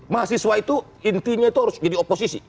mahasiswa itu intinya itu harus jadi oposisi